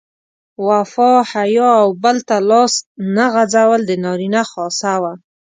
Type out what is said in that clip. وفا، حیا او بل ته لاس نه غځول د نارینه خاصه وه.